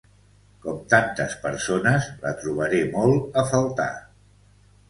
Com tantes persones, la trobaré molt a faltar.